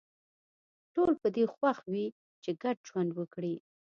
ټول په دې خوښ وي چې ګډ ژوند وکړي